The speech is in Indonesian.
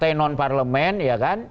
pak tiko non parlemen ya kan